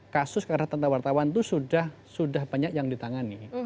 kasus kekerasan pemidanaan wartawan itu sudah banyak yang ditangani